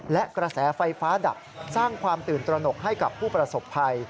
และกระแสไฟฟ้าดับสร้างความตื่นตระหนกให้กับผู้ประสบภัย